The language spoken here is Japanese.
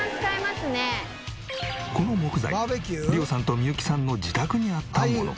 この木材リオさんとミユキさんの自宅にあったもの。